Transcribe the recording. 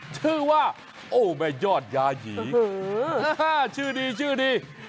ชื่อว่าโอ้แม่ยอดยาหยีชื่อดีชื่อดี